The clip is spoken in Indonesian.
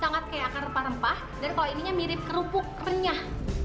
sangat kayak akar rempah rempah dan kalau ininya mirip kerupuk renyah